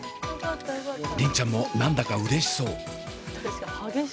梨鈴ちゃんも何だかうれしそう。